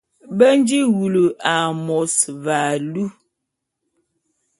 Be nji wulu a môs ve alu.